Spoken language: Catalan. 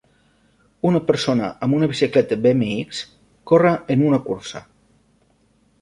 Una persona amb una bicicleta bmx, corre en una cursa.